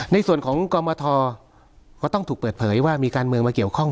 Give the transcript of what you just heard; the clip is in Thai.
ในส่วนของกรมทรก็ต้องถูกเปิดเผยว่ามีการเมืองมาเกี่ยวข้อง